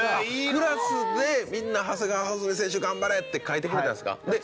クラスでみんな「長谷川穂積選手頑張れ」って書いてくれたんすか。